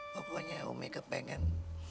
pokoknya umi kepengen